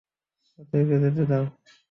ওদেরকে যেতে দাও!